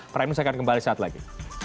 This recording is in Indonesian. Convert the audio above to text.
saya akan kembali saat lagi